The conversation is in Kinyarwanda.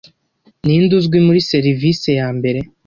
Ninde uzwi muri serivise yambere